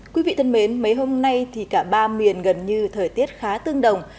quý vị thân mến mấy hôm nay thì cả ba miền gần như thời tiết khá tương đồng